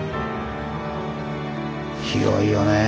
広いよね。